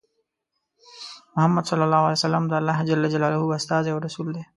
محمد ص د الله ج استازی او رسول دی.